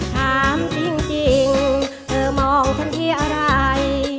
ถามจริงเธอมองคนที่อะไร